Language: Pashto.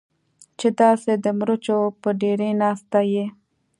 چې داسې د مرچو په ډېرۍ ناسته یې.